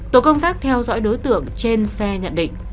tổ công tác theo dõi đối tượng trên xe nhận định